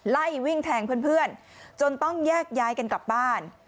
ไล่วิ่งแทงเพื่อนจนต้องแยกย้ายกันกลับบ้าน